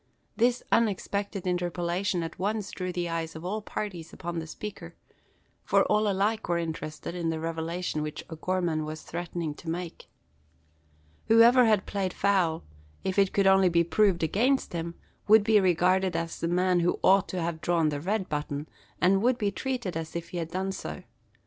This unexpected interpolation at once drew the eyes of all parties upon the speaker; for all were alike interested in the revelation which O'Gorman was threatening to make. Whoever had played foul, if it could only be proved against him, would be regarded as the man who ought to have drawn the red button; and would be treated as if he had done so.